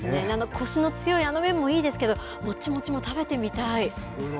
コシの強いあの麺もいいですけどもちもちも食べてみたい。